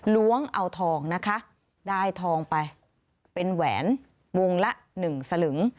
ล้วงเอาทองนะคะได้ทองไปเป็นแหวนวงละ๑สลึง